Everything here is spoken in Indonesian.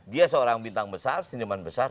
dia seorang bintang besar seniman besar